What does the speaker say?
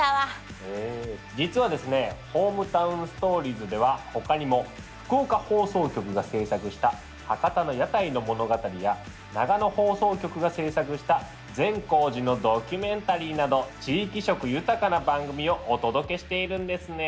実はですね「ＨｏｍｅｔｏｗｎＳｔｏｒｉｅｓ」では他にも福岡放送局が制作した博多の屋台の物語や長野放送局が制作した善光寺のドキュメンタリーなど地域色豊かな番組をお届けしているんですね。